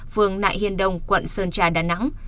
phường nại hiên đông quận sơn trà đà nẵng